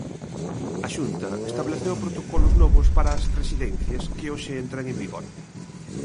A Xunta estableceu protocolos novos para as residencias, que hoxe entran en vigor.